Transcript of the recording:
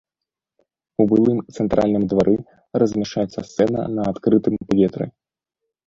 У былым цэнтральным двары размяшчаецца сцэна на адкрытым паветры.